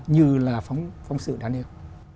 như là phóng sự đáng yêu